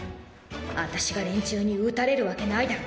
私が連中に打たれるわけないだろ。